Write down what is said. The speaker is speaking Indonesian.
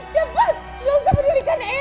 cepat gak usah pendirikan